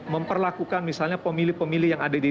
memperlakukan misalnya pemilih pemilih yang ada di